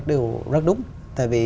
điều rất đúng tại vì